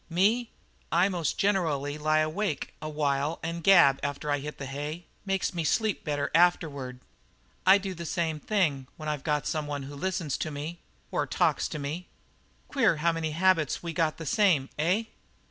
"Me? I most generally lie awake a while and gab after I hit the hay. Makes me sleep better afterward." "I do the same thing when I've any one who listens to me or talks to me." "Queer how many habits we got the same, eh?"